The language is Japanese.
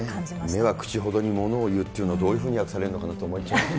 目は口ほどにものを言うっていうのを、どういうふうに訳されるのかなと思ったり。